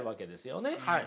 はい。